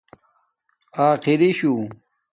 آخری شُݸ